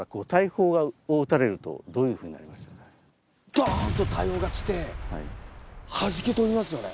ドーンと大砲が来てはじけ飛びますよね。